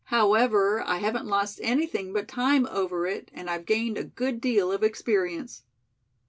However, I haven't lost anything but time over it, and I've gained a good deal of experience."